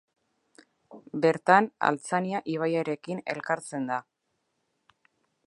Bertan Altzania ibaiarekin elkartzen da.